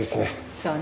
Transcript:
そうね。